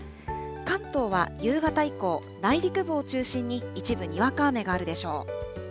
関東は夕方以降、内陸部を中心に一部にわか雨があるでしょう。